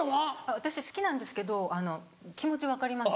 私好きなんですけど気持ち分かります。